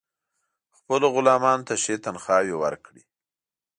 خپلو غلامانو ته ښې تنخواوې ورکړي.